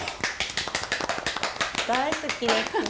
大好きです。